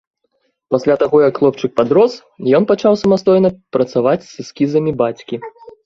Пасля таго як хлопчык падрос, ён пачаў самастойна працаваць з эскізамі бацькі.